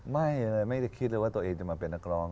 ไม่เลยไม่ได้คิดเลยว่าตัวเองจะมาเป็นนักร้อง